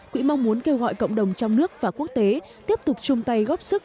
quỹ mong muốn kêu gọi cộng đồng trong nước và quốc tế tiếp tục chung tay góp sức